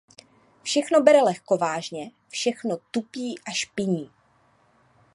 Všechno bere lehkovážně, všechno tupí a špiní.